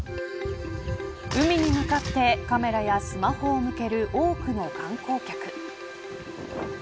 海に向かってカメラやスマホを向ける多くの観光客。